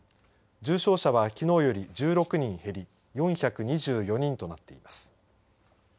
重症者は、きのうより１６人減り４２４人となっています。